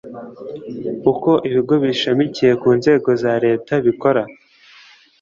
uko ibigo bishamikiye ku nzego za Leta bikora